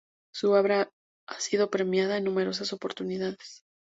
Su obra ha sido premiada en numerosas oportunidades.